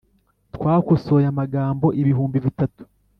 Twakosoye amagambo ibihumbi bitatu